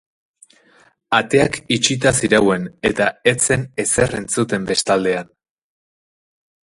Ateak itxita zirauen eta ez zen ezer entzuten bestaldean!